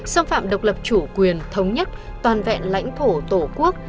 xâm phạm độc lập chủ quyền thống nhất toàn vẹn lãnh thổ tổ quốc